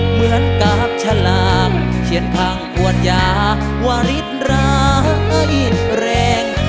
เหมือนกราบฉลางเขียนพังปวดยาวริดร้ายแรง